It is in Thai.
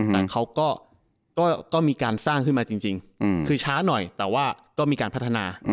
แต่เขาก็มีการสร้างขึ้นมาจริงคือช้าหน่อยแต่ว่าก็มีการพัฒนา